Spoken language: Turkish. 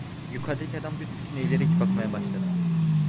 Yukarıdaki adam büsbütün eğilerek bakmaya başladı.